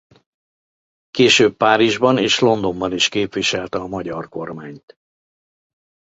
Később Párizsban és Londonban is képviselte a magyar kormányt.